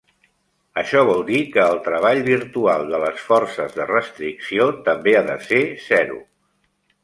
Això vol dir que el treball virtual de les forces de restricció també ha de ser zero.